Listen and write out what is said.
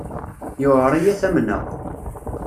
Yuɛer-iyi ad t-amneɣ.